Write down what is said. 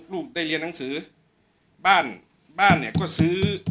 ลูกได้เรียนหนังสือบ้านบ้านเนี่ยก็ซื้อ